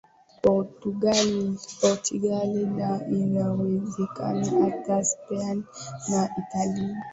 portugal na inawekana hata spain na italy